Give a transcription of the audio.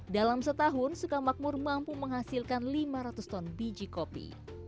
dalam setahun sukamakmur mampu menghasilkan lima ratus ton biji kopi